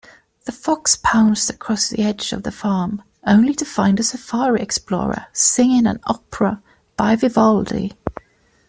The fox pounced across the edge of the farm, only to find a safari explorer singing an opera by Vivaldi.